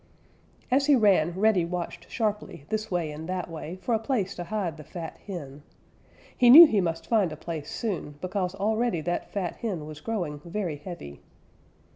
As he ran, Reddy watched sharply this way and that way for a place to hide the fat hen. He knew he must find a place soon, because already that fat hen was growing very heavy.